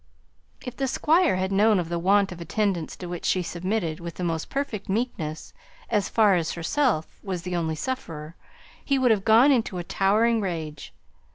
If the Squire had known of the want of attendance to which she submitted with the most perfect meekness, as far as she herself was the only sufferer, he would have gone into a towering rage.